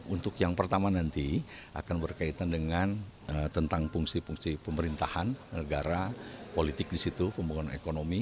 untuk yang pertama nanti akan berkaitan dengan tentang fungsi fungsi pemerintahan negara politik di situ pembangunan ekonomi